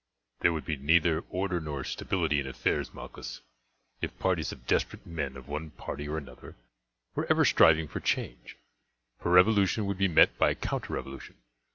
"There would be neither order nor stability in affairs, Malchus, if parties of desperate men of one party or another were ever striving for change, for revolution would be met by counter revolution.